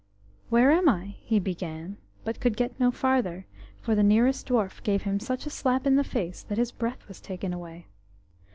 "Where am I?" he began, but could get no farther, for the nearest dwarf gave him such a slap in the face that his breath was taken away.